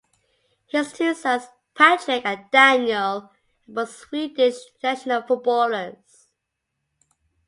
His two sons, Patrik and Daniel, are both Swedish international footballers.